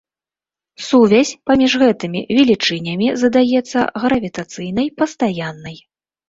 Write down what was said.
Сувязь паміж гэтымі велічынямі задаецца гравітацыйнай пастаяннай.